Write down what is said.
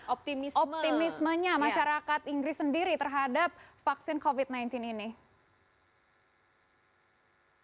optimismenya masyarakat inggris sendiri terhadap vaksin covid sembilan belas ini